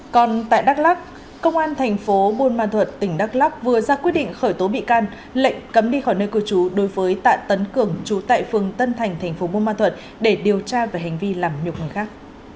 còn tại đắk lắk công an thành phố bôn ma thuật tỉnh đắk lắk vừa ra quyết định khởi tố bị can lệnh cấm đi khỏi nơi của chú đối với tạ tấn cường chú tại phường tân thành thành phố bôn ma thuật để điều tra về hành vi làm nhục người khác